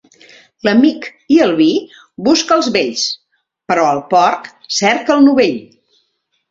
L'amic i el vi, busca'ls vells; però el porc, cerca'l novell.